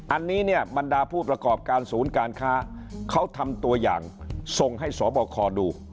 อันนี้เนี่ยบรรดาผู้ประกอบการศูนย์การค้าเขาทำตัวอย่างส่งให้สบคดู